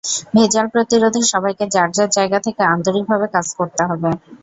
ভেজাল প্রতিরোধে সবাইকে যার যার জায়গা থেকে আন্তরিকভাবে কাজ করতে হবে।